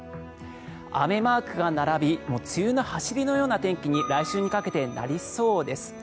雨マークが並び梅雨の走りのような天気に来週にかけてなりそうです。